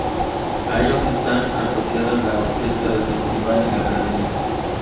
A ellos están asociadas la Orquesta del Festival y la Academia.